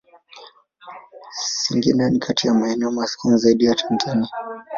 Singida ni kati ya maeneo maskini zaidi ya Tanzania.